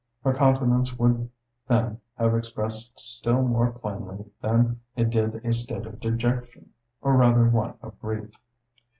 Her countenance would then have expressed still more plainly than it did a state of dejection, or rather one of grief.